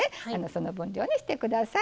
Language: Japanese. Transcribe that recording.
その分量にして下さい。